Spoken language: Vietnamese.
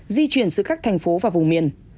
di chuyển giữa các thành phố và vùng miền